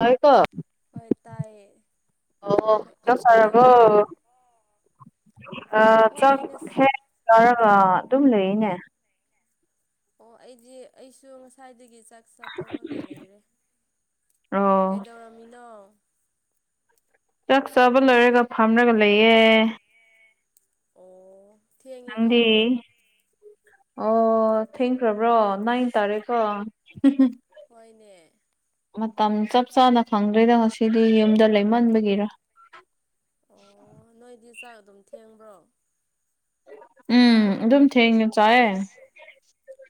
ꯍ ꯀꯣ ꯍꯣꯏ ꯇꯥꯏꯌꯦ ꯑꯣ ꯁꯥꯔꯔꯕꯣ ꯀꯩꯗꯧꯔꯤꯅꯣ ꯥꯛ ꯍꯣꯏ ꯉꯁꯤ ꯍꯦꯛ ꯆꯒ ꯑꯗꯨꯝ ꯂꯩꯔꯤꯅꯦ ꯑꯣ ꯑꯩꯗꯤ ꯑꯩꯁꯨ ꯉꯁꯥꯏꯗꯒꯤ ꯆꯠꯦ ꯆꯥꯠꯇꯣꯛꯑꯒ ꯂꯩꯔꯦ ꯑꯣ ꯀꯩꯗꯧꯔꯝꯃꯤꯅꯣ ꯆꯥꯛ ꯆꯥꯕ ꯂꯣꯏꯔꯒ ꯐꯝꯔꯒ ꯂꯩꯌꯦꯦ ꯑꯣ ꯊꯦꯡꯉꯤꯀꯣ ꯅꯗꯤꯦ ꯑꯣ ꯊꯦꯡꯈ꯭ꯔꯕ꯭ꯔꯣ ꯅꯥꯏ ꯇꯥꯔꯦꯀꯣ ꯍꯣꯏꯅꯦ ꯃꯇꯝ ꯆꯞ ꯆꯥꯅ ꯈꯪꯗ꯭ꯔꯣꯏꯦꯗ ꯉꯁꯤꯗꯤ ꯌꯨꯝꯗ ꯂꯩꯃꯟꯕꯒꯤꯔ ꯑꯣ ꯅꯣꯏꯗꯤ ꯆꯥꯛ ꯑꯗꯨꯝ ꯊꯦꯡꯕ꯭ꯔꯣ ꯎꯝ ꯑꯗꯨꯝ ꯊꯦꯡꯉꯦ ꯆꯑꯦ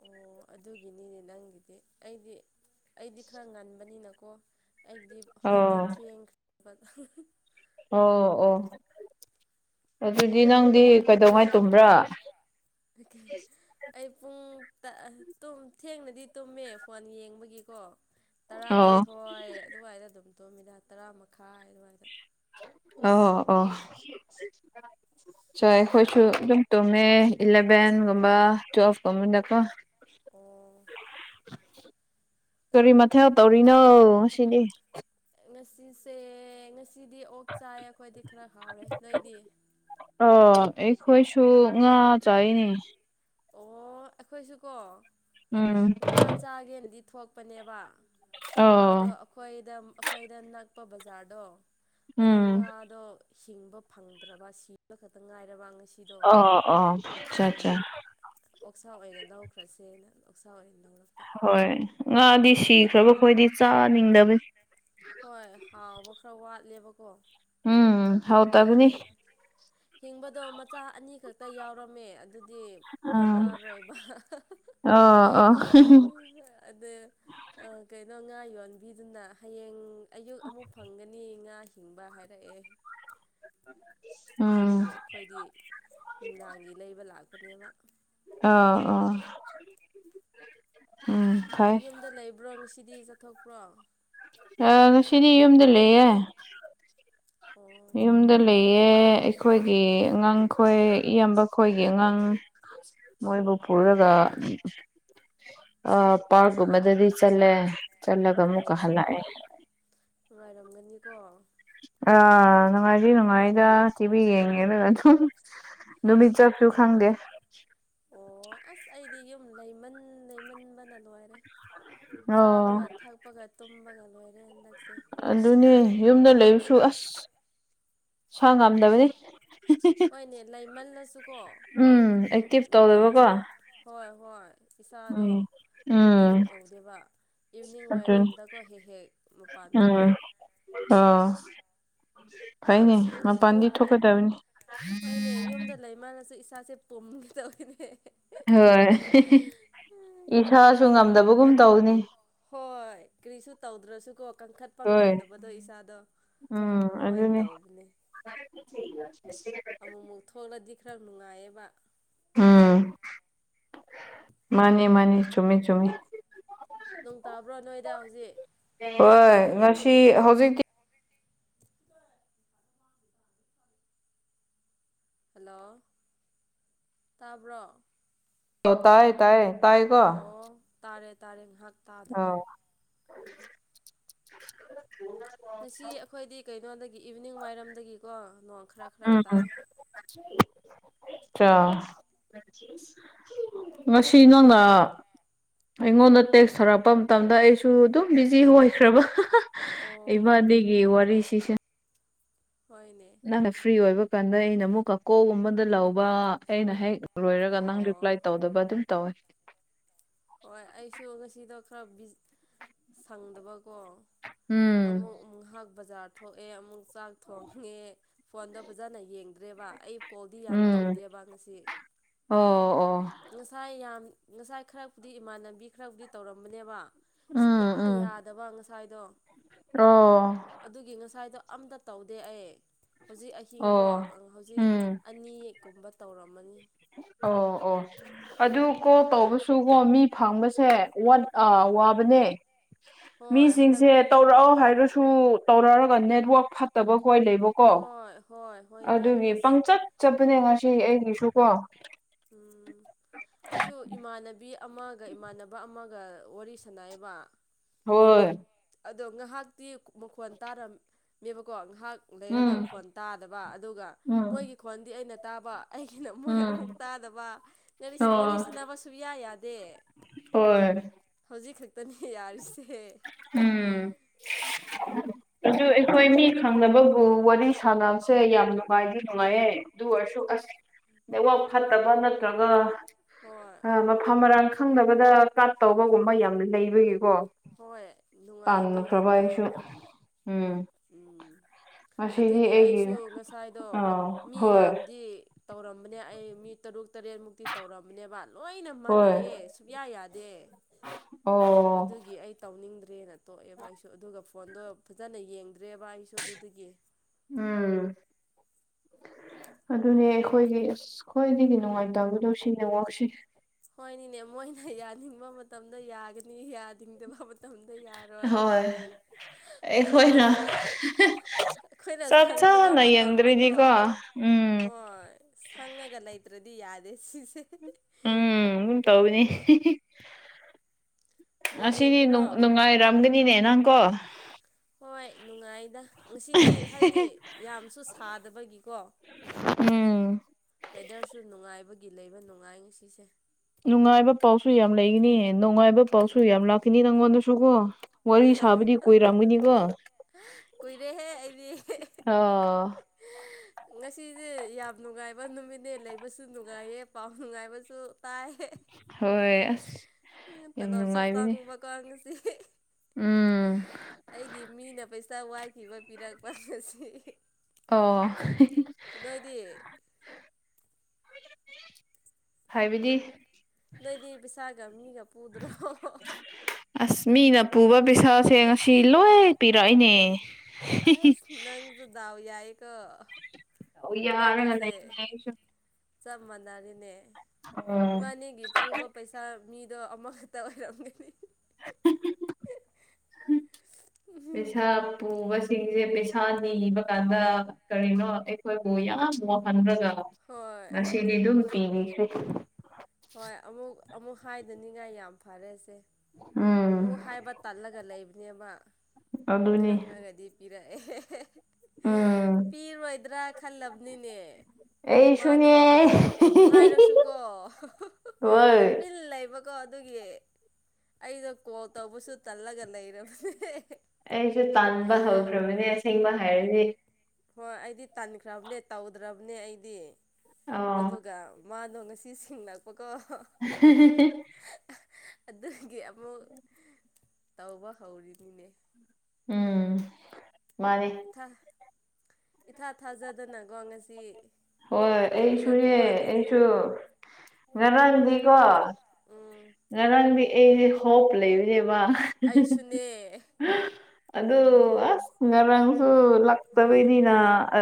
ꯑꯣ ꯑꯗꯨꯒꯤꯅꯤꯅꯦ ꯅꯪꯒꯤꯗꯤ ꯑꯩꯗꯤ ꯑꯩꯗꯤ ꯈꯔ ꯉꯟꯕꯅꯤꯅꯀꯣ ꯑꯩꯗꯤ ꯑꯣ ꯍꯧꯖꯤꯛꯇꯤ ꯊꯦꯡꯈ꯭ꯔꯕ ꯑꯣ ꯑꯣ ꯑꯗꯨꯗꯤ ꯅꯪꯗꯤ ꯀꯩꯗꯧꯉꯥꯏ ꯇꯨꯝꯕ꯭ꯔꯥ ꯑꯗꯨꯗꯒꯤ ꯑꯩ ꯄꯨꯡ ꯊꯦꯡꯅꯗꯤ ꯇꯨꯝꯃꯦ ꯐꯣꯟ ꯌꯦꯡꯕꯒꯤꯀꯣ ꯑꯣ ꯇꯔꯥꯃꯥꯊꯣꯏ ꯑꯗꯨꯋꯥꯏꯗ ꯑꯗꯨꯝ ꯇꯣꯝꯃꯤꯗ ꯇꯔꯥ ꯃꯈꯥꯏ ꯑꯗꯨꯋꯥꯏꯗ ꯑꯣ ꯑꯣ ꯆ ꯍꯣꯏꯁꯨ ꯑꯗꯨꯝ ꯇꯃꯦ ꯏꯂꯚꯦꯟꯒꯨꯝꯕ ꯇ꯭ꯨꯋꯦꯜꯐꯀꯨꯝꯕꯗꯀꯣ ꯑꯣ ꯀꯔꯤ ꯃꯊꯦꯜ ꯇꯧꯔꯤꯅꯣ ꯉ ꯁꯤꯗꯤ ꯉꯁꯤꯁꯦ ꯉꯁꯤꯗꯤ ꯑꯣꯛ ꯆꯥꯏ ꯑꯩꯈꯣꯏꯗꯤ ꯈꯔ ꯍꯥꯎꯔꯦ ꯅꯣꯏꯗꯤ ꯑ ꯑꯩꯈꯣꯏꯁꯨ ꯉꯥ ꯆꯥꯏꯅꯦ ꯑꯣ ꯑꯩꯈꯣꯏꯁꯨꯀꯣ ꯎꯝ ꯉꯥ ꯆꯥꯒꯦꯅꯗꯤ ꯊꯣꯛꯄꯅꯦꯕ ꯑꯗꯣ ꯑꯣ ꯑꯩꯈꯣꯏꯗ ꯑꯩꯈꯣꯏꯗ ꯅꯛꯄ ꯕꯖꯥꯔꯗꯣ ꯑꯗꯣ ꯎꯝ ꯉꯥꯗꯣ ꯍꯤꯡꯕ ꯐꯪꯗ꯭ꯔꯕ ꯁꯤꯕ ꯈꯛꯇ ꯉꯥꯏꯔꯕ ꯉꯁꯤ ꯑꯣ ꯑꯣ ꯆꯥ ꯆꯥ ꯑꯣꯛꯁꯥ ꯑꯣꯏꯅ ꯂꯧꯈ꯭ꯔꯁꯦꯅ ꯑꯣꯛꯁꯥ ꯑꯣꯏꯅ ꯂꯧꯔꯛ ꯍꯣꯏ ꯉꯥꯗꯤ ꯁꯤꯈ꯭ꯥꯔꯕꯈꯣꯏꯗꯤ ꯆꯥꯅꯤꯡꯗꯕꯅꯤ ꯍꯣꯏ ꯍꯥꯎꯕ ꯈ꯭ꯔ ꯋꯥꯠꯂꯦꯕꯀꯣ ꯎꯝ ꯍꯥꯎꯇꯕꯅꯤ ꯑꯗꯨꯒꯤ ꯍꯤꯡꯕꯗꯣ ꯃꯆꯥ ꯑꯅꯤ ꯈꯛꯇ ꯌꯥꯎꯔꯝꯃꯦ ꯑꯗꯨꯗꯤ ꯑꯥ ꯀꯣꯟꯅꯥꯔꯣꯏꯕ ꯑꯣ ꯑꯣ ꯑꯗꯨ ꯑꯥ ꯀꯩꯅꯣ ꯉꯥ ꯌꯣꯟꯕꯤꯗꯨꯅ ꯍꯌꯦꯡ ꯑꯌꯨꯛ ꯑꯃꯨꯛ ꯐꯪꯒꯅꯤ ꯉꯥ ꯍꯤꯡꯕ ꯍꯥꯏꯔꯛꯑꯦ [inaudible] ꯎꯝ ꯑꯗꯨꯕꯨ ꯑꯩꯈꯣꯏꯗꯤ ꯅꯨꯡꯗꯥꯡꯒꯤ ꯂꯩꯕ ꯂꯥꯛꯄꯅꯦꯕ ꯑ ꯑ ꯎꯝ ꯐꯩ ꯌꯨꯝꯗ ꯂꯩꯕ꯭ꯔꯣ ꯉꯁꯤꯗꯤ ꯆꯠꯊꯣꯛꯄ꯭ꯔꯣ ꯑ ꯉꯁꯤꯗꯤ ꯌꯨꯝꯗ ꯂꯩꯌꯦ ꯑꯣ ꯌꯨꯝꯗ ꯂꯩꯌꯦ ꯑꯩꯈꯣꯏꯒꯤ ꯑꯉꯥꯡꯈꯣꯏ ꯏꯌꯥꯝꯕ ꯈꯣꯏꯒꯤ ꯑꯉꯥꯡ ꯃꯣꯏꯕꯨ ꯄꯨꯔꯒ ꯑ ꯄꯥꯔꯛ ꯒꯨꯝꯕꯗꯗꯤ ꯆꯠꯂꯦ ꯆꯠꯂꯒ ꯑꯃꯨꯛꯀ ꯑꯣ ꯍꯜꯂꯛꯑꯦ ꯅꯨꯡꯉꯥꯏꯔꯝꯒꯅꯤꯀꯣ ꯑꯥ ꯅꯨꯡꯉꯥꯏꯗꯤ ꯅꯨꯡꯉꯥꯏꯗ ꯇꯤꯚꯤ ꯌꯦꯡꯉꯦ ꯑꯗꯨꯒ ꯑꯗꯨꯝ ꯅꯨꯃꯤꯠ ꯆꯠ ꯗꯨ ꯈꯪꯗꯦ ꯑꯣ ꯑꯁ ꯑꯩꯗꯤ ꯌꯨꯝ ꯂꯩꯃꯟ ꯂꯩꯃꯟꯕꯅ ꯂꯣꯏꯔꯦ ꯑꯣ ꯆꯥꯕꯒ ꯊꯛꯄꯒ ꯇꯨꯝꯕꯒ ꯂꯣꯏꯔꯦ ꯍꯟꯗꯛꯁꯦ ꯑꯗꯨꯅꯦ ꯌꯨꯝꯗ ꯂꯩꯕꯁꯨ ꯑꯁ ꯁꯥ ꯉꯝꯗꯕꯅꯤ ꯍꯣꯏꯅꯦ ꯂꯩꯃꯜꯂꯁꯨꯀꯣ ꯎꯝ ꯅꯨꯡ ꯑꯦꯛꯇꯤꯚ ꯎ ꯇꯧꯗꯕꯀꯣ ꯍꯣꯏ ꯍꯣꯏ ꯏꯁꯥꯗꯣ ꯎꯝ ꯑꯦꯛꯇꯤꯁ ꯎꯝ ꯇꯧ ꯗꯦꯕ ꯏꯚꯅꯤꯡ ꯑꯗꯨꯅꯤ ꯋꯥꯏꯔꯝꯗꯀꯣ ꯍꯦꯛ ꯍꯦꯛ ꯃꯄꯥꯟ ꯊꯣꯛꯑꯦ ꯑ ꯐꯩꯅꯦ ꯃꯄꯥꯟꯗꯤ ꯄꯨꯝ ꯊꯣꯛꯀꯗꯕꯅꯤ ꯍꯣꯏꯅꯦ ꯌꯨꯝꯗ ꯂꯩ ꯃꯟꯂꯁꯨ ꯏꯁꯥꯁꯦ ꯄꯨꯝꯒꯦꯗꯧꯅꯦ ꯍꯣꯏ ꯏꯁꯥꯁꯨ ꯉꯝꯗꯕꯒꯨꯝ ꯇꯧꯕꯅꯤ ꯍꯣꯏ ꯀꯔꯤꯁꯨ ꯇꯧꯗ꯭ꯔꯁꯨꯀꯣ ꯀꯟꯈꯠ ꯄ ꯍꯣꯏ ꯉꯝꯗꯕꯗꯣ ꯏꯁꯥꯗꯣ ꯎꯝ ꯑꯗꯨꯃꯥꯏꯟ ꯑꯗꯨꯅꯦ ꯇꯧꯕꯅꯦ [inaudible] ꯑꯃꯨꯃꯛ ꯊꯣꯂꯥꯗꯤ ꯈ꯭ꯔꯥ ꯅꯨꯡꯉꯥꯏꯌꯦꯕ ꯎꯝ ꯃꯥꯅꯤ ꯃꯥꯅꯤ ꯆꯃꯤ ꯆꯨꯝꯃꯤ ꯅꯨꯡ ꯇꯥꯕ꯭ꯔꯣ ꯅꯣꯏꯗ ꯍꯧꯖꯤꯛ ꯌꯣꯏ ꯉꯁꯤ ꯍꯧꯖꯤꯛꯇꯤ ꯍꯜꯂꯣ ꯇꯥꯕ꯭ꯔꯣ ꯇꯥꯏ ꯇꯌꯦ ꯑꯣ ꯇꯥꯔꯦ ꯇꯥꯔꯦ ꯉꯥꯏꯍꯥꯛ ꯇꯥꯗꯕ ꯑꯥ ꯉꯁꯤ ꯑꯩꯈꯣꯏꯗꯤ ꯀꯩꯅꯣꯗꯒꯤ ꯏꯚꯅꯤꯡ ꯋꯥꯏꯔꯝꯗꯒꯤꯀꯣ ꯅꯣꯡ ꯈ꯭ꯔ ꯈ꯭ꯔ ꯎꯝ ꯇꯥꯏ [inaudible] ꯉꯁꯤ ꯅꯪꯅ ꯑꯩꯉꯣꯟꯗ ꯇꯦꯛꯁ ꯁꯧꯔꯛꯄ ꯃꯇꯝꯗ ꯑꯩꯁꯨ ꯑꯗꯨꯝ ꯕꯤꯖꯤ ꯑꯣꯏꯈ꯭ꯔꯕ ꯑꯣ ꯏꯕꯥꯅꯤ ꯒꯤ ꯋꯥꯔꯤ ꯁꯤꯁꯦ ꯍꯅꯦ ꯅꯪꯅ ꯐ꯭ꯔꯤ ꯑꯣꯏꯕ ꯀꯥꯟꯗ ꯑꯩꯅ ꯑꯃꯨꯛ ꯀꯀꯣꯒꯨꯝꯕꯗ ꯂꯧꯕ ꯑꯩꯅ ꯍꯦꯛ ꯂꯣꯏꯔꯒ ꯅꯪ ꯔꯤꯄ꯭ꯂꯥꯏ ꯑꯣ ꯇꯧꯗꯕ ꯑꯗꯨꯝ ꯇꯧꯋꯦ ꯍꯣꯏ ꯑꯩꯁꯨ ꯉꯁꯤꯗꯣ ꯈꯔꯕꯤ ꯁꯪꯗꯕꯀꯣ ꯎꯝ ꯑꯃꯨꯛ ꯉꯥꯏꯍꯥꯛ ꯕꯖꯥꯔ ꯊꯣꯛꯑꯦ ꯑꯃꯨꯛ ꯆꯥꯛ ꯊꯣꯡꯉꯦ ꯐꯣꯟꯗꯣ ꯐꯖꯅ ꯌꯦꯡꯗ꯭ꯔꯦꯕ ꯑꯩ ꯀꯣꯜꯗꯤ ꯌꯥꯝ ꯎꯝ ꯇꯧꯗꯦꯕ ꯉꯁꯤ ꯑꯣ ꯑꯣ ꯉꯁꯥꯏ ꯌꯥꯝ ꯉꯁꯥꯏ ꯈꯔꯕꯨꯗꯤ ꯏꯃꯥꯟꯅꯕꯤ ꯈꯔꯕꯨꯗꯤ ꯇꯧꯔꯝꯕꯅꯦꯕ ꯁꯨꯌꯥ ꯎꯝ ꯎꯝ ꯌꯥꯗꯕ ꯉꯁꯥꯏꯗꯣ ꯑꯣ ꯑꯗꯨꯒꯤ ꯉꯁꯥꯏꯗꯣ ꯑꯝꯇ ꯇꯧꯗꯦ ꯑꯩ ꯍꯧꯖꯤꯛ ꯑꯍꯤꯡꯀꯣ ꯑꯣ ꯍꯧꯖꯤꯛ ꯎꯝ ꯑꯅꯤꯌꯦꯛꯀꯨꯝꯕ ꯇꯧꯔꯝꯃꯅꯤ ꯑꯣ ꯑꯣ ꯑꯗꯨ ꯀꯣ ꯇꯧꯕꯁꯨꯀꯣ ꯃꯤ ꯐꯪꯕꯁꯦ ꯋꯥ ꯎꯝ ꯑꯥ ꯋꯥꯕꯅꯦ ꯍꯣꯏ ꯍꯟꯗꯛ ꯃꯤꯁꯤꯡꯁꯦ ꯇꯧꯔꯛꯑꯣ ꯍꯥꯏꯔꯁꯨ ꯇꯧꯔꯛꯑꯒ ꯅꯦꯠꯋꯥꯛ ꯐꯠꯇꯕ ꯍꯣꯏ ꯂꯩꯕꯀꯣ ꯍꯣꯏ ꯍꯣꯏ ꯍꯣꯏꯅꯦ ꯑꯗꯨꯒꯤ ꯑꯁ ꯄꯪꯆꯠ ꯆꯠꯄꯅꯦ ꯉꯁꯤ ꯑꯩꯒꯤꯁꯨ ꯀꯣ ꯎ ꯑꯩꯁꯨ ꯏꯃꯥꯟꯅꯕꯤ ꯑꯃꯒ ꯏꯃꯥꯟꯅꯕ ꯑꯃꯒ ꯋꯥꯔꯤ ꯁ ꯈꯨꯥꯏꯕ ꯍꯣꯏ ꯑꯗꯣ ꯉꯥꯏꯍꯥꯛꯇꯤ ꯃꯈꯣꯟ ꯇꯥꯔꯝꯃꯦꯕꯀꯣ ꯉꯥꯏꯍꯥꯛ ꯂꯩꯔꯒ ꯎꯝ ꯈꯣꯟ ꯇꯥꯗꯕ ꯑꯗꯨꯒ ꯎꯝ ꯃꯣꯏꯒꯤ ꯈꯣꯟꯗꯤ ꯑꯩꯅ ꯇꯥꯕ ꯑꯩꯒꯤꯅ ꯃꯣꯏ ꯑꯃꯨꯛ ꯎꯝ ꯇꯥꯗꯕ ꯋꯥꯔꯤ ꯑꯣ ꯁꯥꯟꯅꯕꯁꯨꯌꯥ ꯌꯥꯗꯦ ꯑꯣ ꯍꯧꯖꯤꯛ ꯈꯛꯇꯅꯦ ꯌꯥꯔꯤꯁꯦ ꯎꯝ ꯑꯗꯨ ꯑꯩꯈꯣꯏ ꯃꯤ ꯈꯪꯗꯕ ꯑꯣ ꯋꯥꯔꯤ ꯁꯥꯟꯅꯕꯁꯦ ꯌꯥꯝ ꯅꯨꯡꯉꯥꯏꯗꯤ ꯅꯨꯡꯉꯥꯏꯌꯦ ꯑꯗꯨ ꯑꯣꯏꯔꯁꯨ ꯑꯁ ꯅꯦꯠꯋꯛ ꯐꯠꯇꯕ ꯅꯠꯇ꯭ꯔꯒ ꯍꯣꯏ ꯃꯐꯝ ꯃꯔꯥꯡ ꯈꯪꯗꯅꯕꯗ ꯄꯥꯠ ꯇꯧꯕꯒꯨꯝꯕ ꯌꯥꯝꯅ ꯂꯩꯕꯒꯤꯀꯣ ꯍꯣꯏ ꯅꯨꯡꯉꯥꯏꯇꯦ ꯇꯥꯟꯅꯈ꯭ꯔꯕ ꯌꯥꯝꯅ ꯑꯩꯁꯨ ꯎꯝ ꯎꯝ ꯉꯁꯤꯗꯤ ꯑꯗꯨꯒꯤ ꯑꯩꯒꯤ ꯑꯩꯁꯨ ꯉꯁꯥꯏꯗꯣ ꯑꯥ ꯃꯤ ꯍꯣꯏ ꯌꯥꯝꯗꯤ ꯇꯧꯔꯝꯕꯅꯦ ꯑꯩ ꯃꯤ ꯇꯔꯨꯛ ꯇꯔꯦꯠꯃꯨꯛꯇꯤ ꯇꯧꯔꯝꯕꯅꯦꯕ ꯂꯣꯏꯅ ꯍꯣꯏ ꯃꯥꯟꯅꯩꯌꯦ ꯁꯨꯛꯌꯥ ꯌꯥꯗꯦ ꯑꯣ ꯑꯗꯨꯒꯤ ꯑꯩ ꯇꯧꯅꯤꯡꯗ꯭ꯔꯦꯅ ꯇꯣꯛꯑꯦꯕ ꯑꯩꯁꯨ ꯑꯗꯨꯒ ꯐꯣꯟꯗꯣ ꯐꯖꯅ ꯌꯦꯡꯗ꯭ꯔꯦꯕ ꯑꯩꯁꯨ ꯑꯗꯨꯗꯒꯤ ꯎꯝ ꯑꯗꯨꯅꯦ ꯑꯩꯈꯣꯏꯒꯤ ꯑꯁ ꯈ꯭ꯋꯥꯏꯗꯒꯤ ꯅꯨꯡꯉꯥꯏꯇꯕꯗꫭ ꯁꯤꯅꯦ ꯅꯦꯠꯋꯥꯛꯁꯤ ꯍꯣꯏꯅꯤꯅꯦ ꯃꯣꯏꯅ ꯌꯥꯅꯤꯡꯕ ꯃꯇꯝꯗ ꯌꯥꯒꯅꯤ ꯌꯥꯅꯤꯡꯗꯕ ꯃꯇꯝꯗ ꯌꯥꯅꯤ ꯍꯣꯏ ꯑꯩꯈꯣꯏꯅ ꯑꯩꯈꯣꯏꯅ ꯆꯠ ꯁꯪꯗꯕ ꯁ ꯌꯦꯡꯗꯔꯥꯗꯤ ꯃꯇꯝꯗꯀꯣ ꯀꯣ ꯍꯣꯏ ꯁꯪꯉꯒ ꯂꯩꯇ꯭ꯔꯗꯤ ꯌꯥꯗꯦ ꯁꯤꯁꯦ ꯎꯝ ꯑꯗꯨꯝ ꯇꯧꯅꯤ ꯕꯣꯜ ꯑꯁꯤꯗꯤ ꯌꯦꯡꯒꯦꯔꯣ ꯅꯨꯡꯉꯥꯏꯔꯝꯒꯅꯤꯅꯦ ꯅꯪꯀꯣ ꯍꯣꯏ ꯅꯨꯡꯉꯥꯏꯗ ꯉꯁꯤꯗꯤ ꯍꯥꯏꯗꯤ ꯌꯥꯝꯁꯨ ꯁꯥꯗꯕꯒꯤꯀꯣ ꯎꯝ ꯋꯦꯗꯔꯁꯨ ꯅꯨꯡꯉꯥꯏꯕꯒꯤ ꯂꯩꯕ ꯅꯨꯡꯉꯥꯏ ꯉꯁꯤꯁꯦ ꯅꯨꯡꯉꯥꯏꯕ ꯄꯥꯎꯁꯨ ꯌꯥꯝ ꯂꯩꯒꯅꯤ ꯅꯨꯡꯉꯥꯏꯕ ꯄꯥꯎꯁꯨ ꯌꯥꯝ ꯂꯥꯛꯈꯤꯅꯤ ꯅꯪꯉꯣꯟꯗꯁꯨꯀꯣ ꯋꯥꯔꯤ ꯁꯥꯕꯗꯤ ꯀꯣꯏꯔꯝꯒꯅꯤꯀꯣ ꯀꯨꯏꯔꯦꯍꯦ ꯑꯩꯗꯤ ꯑꯥ ꯑ ꯉꯁꯤꯁꯦ ꯌꯥꯝ ꯅꯨꯡꯉꯥꯏꯕ ꯅꯨꯃꯤꯠꯅꯦ ꯂꯩꯕꯁꯨ ꯅꯨꯡꯉꯥꯏꯌꯦ ꯄꯥꯎ ꯅꯨꯡꯉꯥꯏꯕꯁꯨ ꯇꯥꯏ ꯍꯣꯏ ꯑꯁ ꯌꯥꯝ ꯇꯂꯞꯁꯨ ꯅꯨꯡꯉꯥꯏꯕꯅꯦ ꯆꯪꯕ ꯀꯥꯡꯁꯤ ꯎꯝ ꯑꯩꯒꯤ ꯃꯤꯅ ꯄꯩꯁꯥ ꯋꯥꯈꯤꯕ ꯄꯤꯔꯛꯄ ꯑꯁꯤ ꯑꯣ ꯅꯣꯏꯗꯤ ꯍꯥꯏꯕꯤꯗꯤ ꯅꯣꯏꯗꯤ ꯄꯩꯁꯥꯒ ꯃꯤꯒ ꯄꯨꯗ꯭ꯔꯣ ꯑꯁ ꯃꯤꯅ ꯄꯨꯕ ꯄꯩꯁꯥ ꯁꯦꯡꯉ ꯁꯤ ꯂꯣꯏ ꯄꯤꯔꯛꯏꯅꯦ ꯑꯁ ꯅꯪꯁꯨ ꯗꯥꯎ ꯌꯥ ꯀ ꯇꯧ ꯌꯥꯔꯒ ꯂꯩꯅꯦ ꯏꯃꯅꯤꯁꯦ ꯑꯩꯁꯨ ꯆꯞ ꯃꯥꯟꯅꯔꯤꯅꯦ ꯎꯝ ꯏꯕꯥꯅꯤꯒꯤ ꯄꯨꯕ ꯄꯩꯁꯥ ꯃꯤꯗꯣ ꯑꯃꯈꯛꯇ ꯑꯣꯏꯔꯝꯒꯅꯤ ꯎ ꯄꯩꯁꯥ ꯄꯨꯕꯁꯤꯡꯁꯦ ꯄꯩꯁꯥ ꯅꯤꯕ ꯀꯥꯟꯗ ꯀꯔꯤꯅꯣ ꯑꯩꯈꯣꯏꯕꯨ ꯌꯥꯝ ꯋꯥꯍꯜꯂꯒ ꯍꯣꯏ ꯗꯨ ꯄꯤꯒꯁ ꯍꯣꯏ ꯑꯃꯨꯛ ꯑꯃꯨꯛ ꯍꯥꯏꯗꯅꯤꯡꯉꯥꯏ ꯌꯥꯝ ꯐꯔꯦꯁꯦ ꯎꯝ ꯑꯃꯨꯛ ꯍꯥꯏꯕ ꯇꯜꯂꯒ ꯂꯩꯕꯅꯦꯕ ꯑꯗꯨꯅꯤ ꯈꯪꯉꯒꯗꯤ ꯄꯤꯔꯛꯑꯦ ꯎꯝ ꯄꯤꯔꯣꯏꯗ꯭ꯔꯥ ꯈꯜꯂꯕꯅꯤꯅꯦ ꯃꯥꯗꯣ ꯑꯩꯁꯨꯅꯦ ꯍꯥꯏꯔꯁꯨꯀꯣ ꯍꯣꯏ ꯇꯨꯃꯤꯟ ꯂꯩꯕ ꯀꯣ ꯑꯗꯨꯒꯤ ꯑꯩꯗꯣ ꯀꯣꯜ ꯇꯧꯕꯁꯨ ꯇꯜꯂꯒ ꯂꯩꯔꯕꯅꯦ ꯑꯩꯁꯨ ꯇꯥꯟꯕ ꯍꯧꯈ꯭ꯔꯕꯅꯦ ꯑꯁꯦꯡꯕ ꯍꯥꯏꯔꯗꯤ ꯍꯣꯏ ꯑꯩꯗꯤ ꯇꯟꯈ꯭ꯔꯕꯅꯦ ꯇꯧꯗ꯭ꯔꯕꯅꯦ ꯑꯩꯗꯤ ꯑꯗꯨ ꯑꯣ ꯃꯥꯗꯣ ꯉꯁꯤ ꯁꯤꯡꯡꯂꯛꯄꯀꯣ [unintelligible] ꯑꯗꯨꯒꯤ ꯑꯃꯨꯛ ꯇꯧꯕ ꯍꯧꯔꯤꯅꯤꯅꯦ ꯎꯝ ꯃꯥꯅꯦ ꯥ ꯏꯊꯥ ꯊꯥꯖꯗꯅꯀꯣ ꯉꯁꯤ ꯍꯣꯏ ꯑꯃꯨꯛ ꯄꯤꯔꯛꯄ ꯑꯩꯁꯨꯅꯦ ꯋꯥꯅꯤꯗ ꯑꯩꯁꯨ ꯉꯔꯥꯡꯗꯤꯀꯣ ꯎꯝ ꯉꯔꯥꯡꯗꯤ ꯑꯩꯁꯦ ꯍꯣꯞ ꯂꯩꯕꯅꯦꯕ ꯑꯩꯁꯨꯅꯦ ꯑꯗꯨ ꯑꯁ ꯉꯔꯥꯡꯁꯨ ꯂꯇꯕꯩꯅꯤꯅ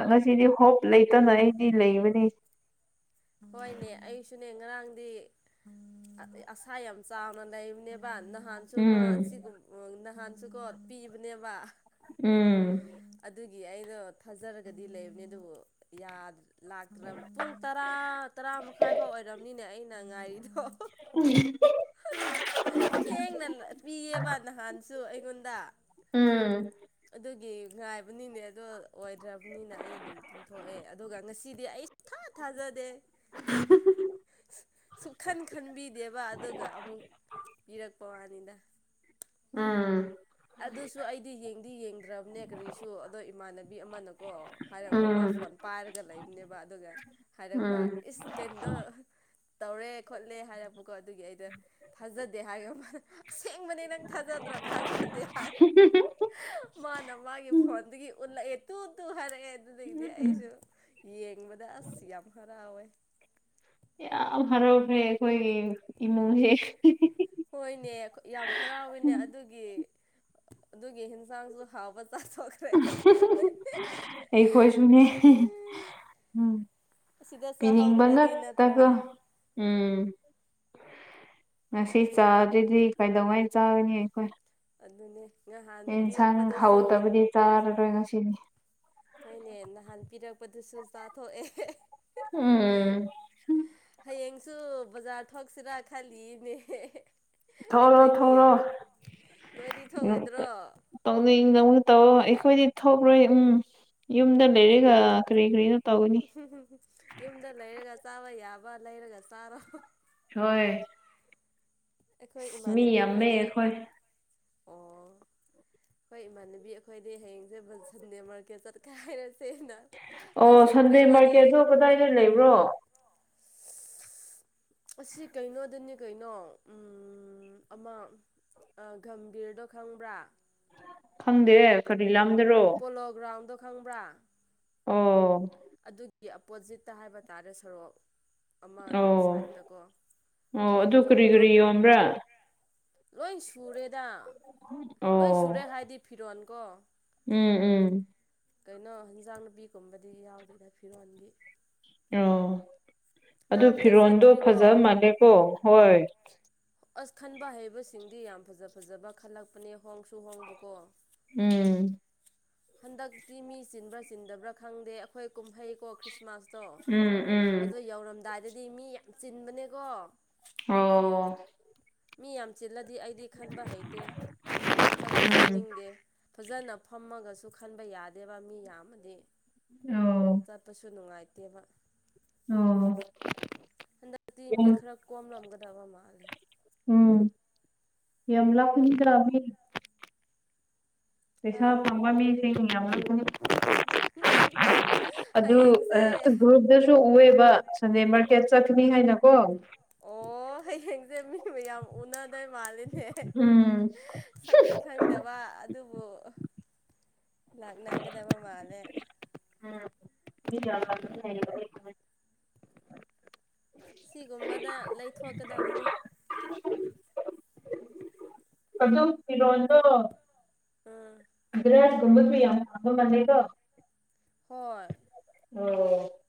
ꯉꯁꯤ ꯁꯤꯗꯤ ꯍꯣꯞ ꯂꯩꯇꯅ ꯑꯩꯗꯤ ꯂꯩꯕꯅꯤ ꯍꯣꯏꯅꯦ ꯑꯩꯁꯨꯅꯦ ꯉꯔꯥꯡꯗꯤ ꯑꯗꯩ ꯑꯁꯥ ꯌꯥꯝ ꯆꯥꯎꯅ ꯂꯩꯕꯅꯦꯕ ꯅꯍꯥꯟ ꯃꯥ ꯎꯝ ꯁꯤꯒꯨꯝ ꯅꯍꯥꯟꯁꯨꯀꯣ ꯄꯤꯕꯅꯦꯕ ꯎꯝ ꯑꯗꯨꯒꯤ ꯑꯩꯗꯣ ꯊꯥꯖꯔꯒꯗꯤ ꯂꯩꯕꯅꯦ ꯑꯗꯨꯕꯨ ꯌꯥ ꯂꯥꯛꯇ꯭ꯔꯕ ꯄꯨꯡ ꯇꯔꯥ ꯇꯔꯥ ꯃꯈꯥꯏ ꯐꯥꯎ ꯑꯣꯏꯔꯝꯅꯤꯅꯦ ꯑꯩꯅ ꯉꯥꯏꯔꯤꯗꯣ ꯊꯦꯡꯅ ꯄꯤꯌꯦꯕ ꯅꯍꯥꯟꯁꯨ ꯑꯩꯉꯣꯟꯗ ꯎꯝ ꯑꯗꯨꯒꯤ ꯉꯥꯏꯕꯅꯤꯅꯦ ꯑꯗꯣ ꯑꯣꯏꯗ꯭ꯔꯕꯅꯤꯅ ꯑꯩ ꯑꯗꯨꯝ ꯇꯨꯝꯊꯣꯛꯑꯦ ꯑꯗꯨꯒ ꯉꯁꯤꯗꯤ ꯑꯩ ꯁꯨꯡꯊꯥ ꯊꯥꯖꯗꯦ [unintelligible] ꯁꯨꯛꯈꯟ ꯈꯟꯕꯤꯗꯦꯕ ꯑꯗꯨꯒ ꯑꯃꯨꯛ ꯄꯤꯔꯛꯄ ꯋꯥꯅꯤꯗ ꯎꯝ ꯑꯗꯨꯁꯨ ꯑꯩꯗꯤ ꯌꯦꯡꯗꯤ ꯌꯦꯡꯗ꯭ꯔꯕꯅꯦ ꯀꯔꯤꯁꯨ ꯑꯗꯣ ꯏꯃꯥꯟꯅꯕꯤ ꯑꯃꯅꯀꯣ ꯍꯥꯏꯔꯛꯄ ꯑꯃ ꯎꯝ ꯐꯣꯟ ꯄꯥꯏꯔꯒ ꯂꯩꯕꯅꯦꯕ ꯑꯗꯨꯒ ꯍꯥꯏꯔꯛꯄ ꯏꯁ ꯀꯩꯅꯣꯗꯣ ꯇꯧꯔꯦ ꯈꯣꯠꯂꯦ ꯍꯥꯏꯔꯕꯨ ꯀꯣ ꯑꯗꯨꯒꯤ ꯑꯩꯗ ꯊꯥꯖꯗꯦ ꯍꯥꯏ ꯑꯁꯦꯡꯕꯅꯦ ꯅꯪ ꯊꯥꯖꯗ꯭ꯔꯣ ꯊꯥꯖ [unintelligible] ꯃꯥꯅ ꯃꯥꯒꯤ ꯐꯣꯟꯗꯒꯤ ꯎꯠꯂꯛꯑꯦ ꯇꯨ ꯇꯨ ꯍꯥꯏꯔꯛꯑꯦ ꯑꯗꯨꯗꯒꯤꯗꯤ ꯎꯝ ꯎꯝ ꯑꯩꯁꯨ ꯌꯦꯡꯕꯗ ꯑꯁ ꯌꯥꯝ ꯍꯔꯥꯎꯋꯦ ꯌꯥꯝ ꯍꯔꯥꯎꯈ꯭ꯔꯦ ꯑꯩꯈꯣꯏꯒꯤ ꯏꯃꯨꯡꯁꯦ ꯍꯣꯏꯅꯦ ꯌꯥꯝ ꯍꯔꯥꯎꯋꯦꯅꯦ ꯑꯗꯨꯒꯤ ꯑꯗꯨꯒꯤ ꯌꯦꯟꯁꯥꯡꯁꯨ ꯍꯥꯎꯕ ꯆꯥꯊꯣꯛ ꯑꯩꯈꯣꯏꯁꯨꯅꯦ ꯎꯝ ꯑꯁꯤꯗ ꯄꯤꯅꯤꯡꯕ ꯆꯥꯍꯧꯗ꯭ꯔꯗꯤ ꯉꯛꯇ ꯅꯠꯇ꯭ꯔꯥ ꯎꯝ ꯉꯁꯤ ꯆꯥꯗ꯭ꯣꯏꯗꯤ ꯀꯥꯏꯗꯧꯉꯩ ꯆꯥꯕꯅꯤ ꯑꯩꯈꯣꯏ ꯑꯗꯨꯅꯦ ꯉꯍꯥꯟ ꯄꯤꯔꯛꯄꯗꯁꯨ ꯆꯥꯔ꯭ꯔꯣ ꯉꯁꯤꯗꯤ ꯍꯣꯏꯅꯦ ꯅꯍꯥꯟ ꯄꯤꯔꯛꯄꯗꯨꯁꯨ ꯆꯥꯊꯣꯛꯑꯦ ꯎꯝ ꯍꯌꯦꯡꯁꯨ ꯕꯖꯥꯔ ꯊꯣꯛꯁꯤꯔꯥ ꯈꯜꯂꯤꯌꯦꯅꯦ ꯊꯣꯛꯔꯣ ꯑꯩꯈꯣꯏꯗꯤ ꯊꯣꯛꯔꯣ ꯅꯣꯏꯗꯤ ꯊꫭꯛꯑꯣꯏꯗ꯭ꯔꯣ ꯇꯧꯅꯤꯡ ꯅꯧꯅ ꯇꯧꯔ ꯑꯩꯈꯣꯏꯗꯤ ꯊꯣꯛꯂꯣꯏ ꯎꯝ ꯌꯨꯝꯗ ꯂꯩꯔꯒ ꯀꯔꯤ ꯀꯔꯤꯅꯣ ꯇꯧꯒꯅꯤ ꯌꯨꯝꯗ ꯂꯩꯔꯒ ꯆꯥꯕ ꯌꯥꯕ ꯂꯩꯔꯒ ꯆꯥꯔꯣ ꯍꯣꯏ ꯑꯩꯈꯣꯏ ꯃꯤ ꯏꯃꯥꯟꯅꯕꯤ ꯌꯥꯝꯃꯦ ꯑꯩꯈꯣꯏꯗꯤ ꯑꯩꯈꯣꯏ ꯑꯣ ꯑꯩꯈꯣꯏ ꯏꯃꯥꯟꯅꯕꯤ ꯑꯩꯈꯣꯏꯗꯤ ꯍꯌꯦꯡꯁꯦ ꯁꯟꯗꯦ ꯃꯥꯔꯀꯦꯠ ꯆꯠꯀꯦ ꯍꯥꯏꯔꯁꯦꯅ ꯑꯣ ꯂꯣꯏꯁꯤꯟꯈ꯭ꯔꯦ ꯁꯟꯗꯦ ꯋꯥꯔꯤ ꯃꯥꯔꯀꯦꯠꯗꯣ ꯀꯗꯥꯏꯗ ꯂꯩꯕ꯭ꯔꯣ ꯑꯁꯤ ꯀꯩꯅꯣꯗꯅꯤ ꯀꯩꯅꯣ ꯑꯃ ꯑ ꯒꯝꯕꯤꯔꯗꯣ ꯈꯪꯕ꯭ꯔꯥ ꯈꯪꯗꯦ ꯀꯔꯤ ꯂꯥꯝꯗꯔꯣ ꯄꯣꯂꯣ ꯒ꯭ꯔꯥꯎꯟꯗꯣ ꯈꯪꯕ꯭ꯔꯥ ꯑꯣꯝ ꯒꯤ ꯑꯄꯣꯖꯤꯠꯇ ꯍꯥꯏꯕ ꯇꯥꯔꯦ ꯁꯣꯔꯣꯛ ꯑꯃ ꯑꯣ ꯁꯥꯏꯠꯇꯀꯣ ꯑꯣ ꯑꯗꯨ ꯑꯗꯣ ꯀꯔꯤ ꯒꯝ ꯀꯔꯤ ꯌꯣꯟꯕ꯭ꯔꯥ ꯂꯣꯏ ꯁꯨꯔꯦꯗ ꯂꯣꯏ ꯁꯨꯔꯦ ꯑꯣ ꯍꯥꯏꯗꯤ ꯐꯤꯔꯣꯀꯣ ꯎꯝ ꯎꯝ ꯀꯩꯅꯣ ꯍꯟꯖꯥꯡ ꯅꯨꯄꯤꯒꯨꯝꯕꯗꯤ ꯌꯥꯎꯗꯦꯗ ꯐꯤꯔꯣꯟꯒꯤ ꯑꯣ ꯅꯪ ꯑꯗꯨ ꯑꯝꯇ ꯐꯤꯔꯣꯟꯜꯗꯣ ꯆꯠꯇ꯭ꯔꯤꯕꯣ ꯐꯖ ꯃꯥꯜꯂꯦꯀꯣ ꯍꯣꯏ ꯑꯁ ꯈꯟꯕ ꯍꯩꯕꯁꯤꯡꯗꯤ ꯌꯥꯝ ꯐꯖ ꯐꯖꯕ ꯈꯜꯂꯛꯄꯅꯦ ꯍꯣꯡꯁꯨ ꯍꯣꯡꯕꯀꯣ ꯎꯝ ꯍꯟꯗꯛꯇꯤ ꯃꯤ ꯆꯤꯟꯕ꯭ꯔꯥ ꯆꯤꯟꯗꯕ꯭ꯔꯥ ꯈꯪꯗꯦ ꯑꯩꯈꯣꯏ ꯀꯨꯝꯍꯩ ꯀꯣ ꯈ꯭ꯔꯤꯁꯃꯥꯁ ꯑꯇꯣ ꯎꯝ ꯎꯝ ꯑꯗꯣ ꯌꯧꯔꯝꯗꯥꯏꯗꯗꯤ ꯃꯤ ꯌꯥꯝ ꯆꯤꯟꯕꯅꯦꯀꯣ ꯑꯣ ꯃꯤ ꯌꯥꯝ ꯆꯤꯜꯂꯗꯤ ꯑꯩꯗꯤ ꯈꯟꯕ ꯍꯩꯇꯦ ꯆꯠꯁꯨ ꯎꯝ ꯆꯠꯅꯤꯡꯗꯦ ꯐꯖꯅ ꯐꯝꯃꯒꯁꯨ ꯈꯟꯕ ꯌꯥꯗꯦꯕ ꯃꯤ ꯌꯥꯝꯃꯗꯤ ꯑꯣ ꯆꯠꯄꯁꯨ ꯅꯨꯡꯉꯥꯏꯇꯦꯕ ꯑꯣ ꯑꯗ ꯃꯤ ꯌꯥꯝ ꯈꯔ ꯀꯣꯝ ꯂ ꯑꯃꯒꯗ ꯃꯥꯂꯦ ꯎꯝ ꯌꯥꯝ ꯂꯥꯛꯄꯅꯤ ꯀ꯭ꯔꯃꯤ ꯍꯥ ꯄꯩꯁꯥ ꯐꯪꯕ ꯃꯤꯁ ꯑꯃꯪ ꯍꯌꯦꯡꯁꯦ ꯑꯗꯨꯁꯨ ꯎꯑꯦꯕ ꯁꯟꯗꯦ ꯃꯥꯔꯀꯦꯠ ꯆꯠꯀꯅꯤ ꯍꯥꯏꯅ ꯀꯣ ꯑꯣ ꯍꯌꯦꯡꯁꯦ ꯃꯤ ꯃꯌꯥꯝ ꯎꯅꯗ ꯃꯥꯜꯂꯤꯅꯦ ꯎꯝ ꯁꯛꯇꯤ ꯈꯪꯗꯦ ꯗꯕ ꯑꯗꯨꯕꯨ ꯂꯥꯛꯅꯒꯗꯕ ꯃꯥꯜꯂꯦ ꯌꯥ ꯁꯤꯒꯨꯝꯕꯗ ꯂꯩꯊꯣꯛꯀꯗꯕꯅꯤ ꯑꯗꯨ ꯏꯔꯣꯟꯗꯣ ꯎꯝ ꯑꯗꯨ꯭ꯔꯒꯨꯝꯃꯗ ꯌꯥꯝꯃ ꯃꯅꯦꯒꯣ ꯍꯣꯏ ꯑꯣ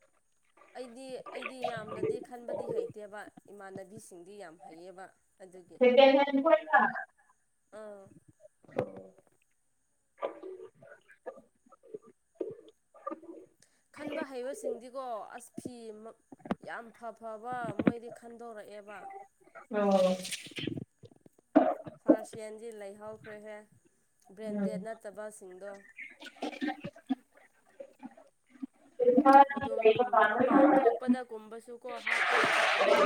ꯑꯩꯗꯤ ꯑꯩꯗꯤ ꯌꯥꯝꯅꯗꯤ ꯈꯟꯕꯗꯤ ꯍꯩꯇꯦꯕ ꯏꯃꯥꯟꯅꯕꯤꯁꯤꯡꯗꯤ ꯌꯥꯝ ꯍꯩꯌꯦꯕ ꯑꯗꯨꯒꯤ [inaudible] ꯑꯥ ꯈꯟꯕ ꯍꯩꯕꯁꯤꯡꯗꯤꯀꯣ ꯑꯁ ꯐꯤ ꯌꯥꯝ ꯐ ꯐꯕ ꯃꯣꯏꯗꯤ ꯈꯟꯗꯣꯔꯛꯑꯦꯕ ꯑꯣ ꯐꯥꯔꯁꯤꯟꯗꯤ ꯂꯩꯍꯧꯈ꯭ꯔꯦꯍꯦ ꯎꯝ ꯕ꯭ꯔꯦꯟꯗꯦꯗ ꯅꯠꯇꯕꯁꯤꯡꯗꯣ ꯑꯥ ꯑꯗꯨꯝ ꯃꯄꯥꯟ ꯊꯣꯛꯄꯗꯒꯨꯝꯕꯁꯨꯀꯣ ꯍꯥꯞ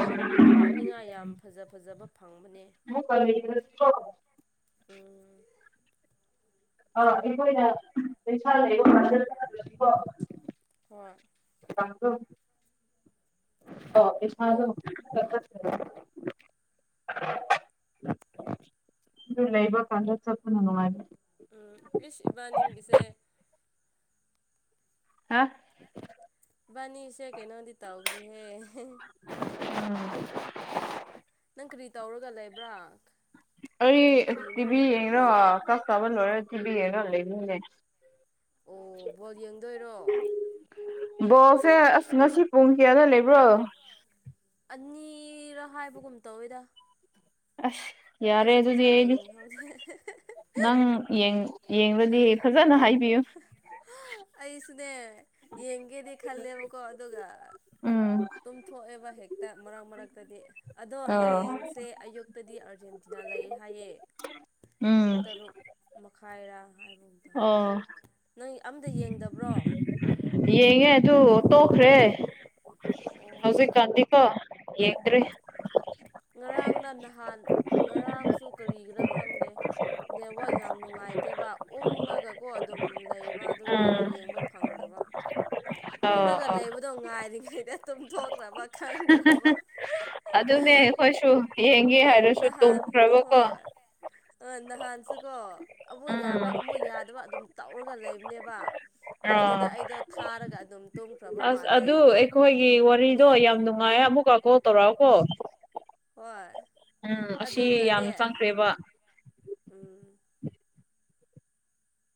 ꯍꯥꯄ ꯍꯥꯞꯅꯤꯡꯉꯥꯏ ꯌꯥꯝ ꯐꯖ ꯐꯖꯕ ꯐꯪꯕꯅꯦ ꯍ ꯀ ꯑ ꯑꯥ ꯑꯩꯈꯣꯏꯅ ꯄꯩꯁꯥ ꯂꯩꯕ ꯐꯖ ꯇꯀꯣ ꯍꯣꯏ ꯇꯗꯣ ꯑꯣ ꯊꯗꯣ ꯌꯨꯝ ꯂꯩꯕ ꯄꯥꯟꯗ ꯆꯄꯅꯅꯨꯡꯉꯥꯏꯦ ꯎꯝ ꯀ꯭ꯔꯤꯁ ꯏꯕꯥꯅꯤꯡꯒꯤꯁꯦ ꯍꯥꯥ ꯅꯤꯁꯦ ꯀꯩꯅꯣꯗꯤ ꯇ ꯑꯣꯕ꯭ꯔꯦ ꯍꯦ ꯅꯪ ꯀꯔꯤ ꯇꯧꯔꯒ ꯂꯩꯕ꯭ꯔꯥ ꯑꯩ ꯀꯔꯤ ꯑꯁ ꯀꯔꯤꯅꯣ ꯇꯤꯚꯤ ꯌꯦꯡꯉꯔꯣ ꯃꯈꯣꯟ ꯈꯔ ꯀ꯭ꯂꯥꯁ ꯆꯥꯕ ꯂꯣꯏꯔ ꯇꯤꯚꯤ ꯌꯦꯡꯉꯔꯣ ꯂꯩꯅꯤꯡꯅꯦ ꯑꯣ ꯕꯣꯜ ꯌꯦꯡꯗꯣꯏꯔꯣ ꯕꯣꯜꯁꯦ ꯑꯁ ꯉꯁꯤ ꯄꯨꯡ ꯀꯌꯥꯗ ꯂꯩꯕ꯭ꯔꯣ ꯑꯅꯤꯔꯥ ꯍꯥꯏꯕꯒꯨꯝ ꯇꯧꯋꯤꯗ ꯑꯁ ꯌꯥꯔꯦ ꯑꯩꯁꯨ ꯑꯗꯨꯗꯤ ꯐꯖꯅ ꯑꯩꯗꯤ ꯌꯦꯡꯍꯧꯗꯦ ꯅꯪ ꯌꯦꯡꯔꯗꯤ ꯐꯖꯅ ꯍꯥꯏꯕꯤꯌꯨ ꯑꯩꯁꯨꯅꯦ ꯌꯦꯡꯒꯦꯗꯤ ꯈꯜꯂꯦꯕꯀꯣ ꯑꯗꯨꯒ ꯎꯝ ꯇꯨꯝꯊꯣꯛꯑꯦꯕ ꯍꯦꯛꯇ ꯃꯔꯛ ꯃꯔꯛꯇꯗꯤ ꯑꯗꯣ ꯑꯣ ꯍꯌꯦꯡꯁꯦ ꯑꯌꯨꯛ ꯇꯗꯤ ꯑꯥꯔꯖꯦꯟꯇꯤꯅꯥ ꯂꯩ ꯍꯥꯏꯌꯦꯦ ꯄꯨꯡ ꯎꯝ ꯇꯔꯨꯛ ꯃꯈꯥꯏꯔꯥ [unintelligible] ꯑꯣ ꯅꯪ ꯑꯝꯇ ꯌꯦꯡꯗꯕ꯭ꯔꯣ ꯌꯦꯡꯉꯦ ꯑꯗꯨ ꯇꯣꯛꯈ꯭ꯔꯦ ꯑꯣ ꯍꯧꯖꯤꯛꯀꯥꯟꯗꯤ ꯀꯣ ꯌꯦꯡꯗ꯭ꯔꯦ ꯉꯔꯥꯡꯅ ꯅꯍꯥꯟ ꯉꯔꯥꯡꯁꯨ ꯀꯔꯤꯒꯤꯔꯥ ꯈꯪꯗꯦ ꯅꯦꯠꯋꯛ ꯌꯥꯝ ꯅꯨꯡꯉꯥꯏꯇꯦꯕ ꯎꯡꯉꯒ ꯀꯣ ꯑꯗꯨꯝ ꯂꯩꯕ ꯑꯗꯨꯒꯤ ꯎꯝ ꯌꯦꯡꯕ ꯐꯪꯗꯕ ꯑꯣ ꯎꯪꯂꯒ ꯑꯣ ꯂꯩꯕ ꯑꯗꯨ ꯉꯥꯏꯔꯤꯉꯩꯗ ꯇꯨꯝꯊꯣꯛꯈ꯭ꯔꯕ ꯈꯪꯗ꯭ꯔꯕ ꯑꯗꯨꯅꯦ ꯑꯩꯈꯣꯏꯁꯨ ꯌꯦꯡꯒꯦ ꯍꯥꯏꯔꯁꯨ ꯇꯨꯝꯈ꯭ꯔꯕꯀꯣ ꯑꯣ ꯅꯍꯥꯟꯁꯤꯀꯣ ꯑꯃꯨꯛ ꯌꯥꯕ ꯎꯝ ꯑꯃꯨꯛ ꯌꯥꯗꯕ ꯑꯗꯨꯝ ꯇꯧꯔꯒ ꯂꯩꯕꯅꯦꯕ ꯑꯗꯨꯗ ꯑꯥ ꯑꯩꯗꯣ ꯊꯥꯔꯒ ꯑꯗꯨꯝ ꯇꯨꯝꯈ꯭ꯔꯕ ꯑꯁ ꯃꯥꯜꯂꯦ ꯑꯗꯨ ꯑꯩꯈꯣꯏꯒꯤ ꯋꯥꯔꯤꯗꯣ ꯌꯥꯝ ꯅꯨꯡꯉꯥꯏ ꯑꯃꯨꯛꯀ ꯀꯣꯜ ꯇꯧꯔꯛꯑꯣꯀꯣ ꯍꯣꯏ ꯎꯝ ꯑꯁꯤ ꯌꯥꯝ ꯑꯗꯨꯒꯅꯦ ꯆꯪꯈ꯭ꯔꯦꯕ ꯎꯝ